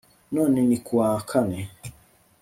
none ni kuwa kane